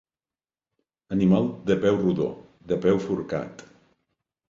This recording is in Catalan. Animal de peu rodó, de peu forcat.